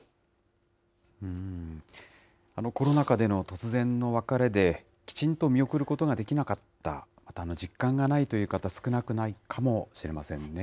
コロナ禍での突然の別れで、きちんと見送ることができなかった、また実感がないという方、少なくないかもしれませんよね。